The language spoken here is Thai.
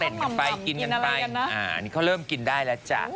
นี่เขาเริ่มกินได้แล้วจ๊ะ